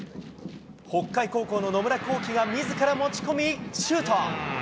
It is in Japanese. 北海高校の野村光希がみずから持ち込み、シュート。